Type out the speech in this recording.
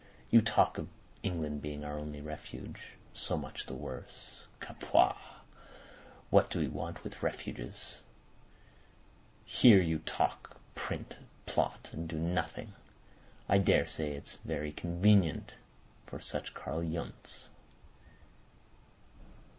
You talk of England being our only refuge! So much the worse. Capua! What do we want with refuges? Here you talk, print, plot, and do nothing. I daresay it's very convenient for such Karl Yundts."